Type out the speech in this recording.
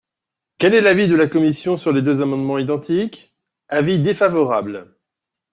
Quel est l’avis de la commission sur les deux amendements identiques ? Avis défavorable.